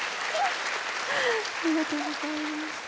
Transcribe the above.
ありがとうございます。